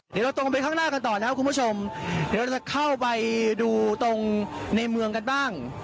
เดี๋ยวเราตรงไปข้างหน้ากันต่อนะครับคุณผู้ชมเดี๋ยวจะเข้าไปดูตรงในเมืองกันบ้าง